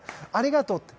ありがとう。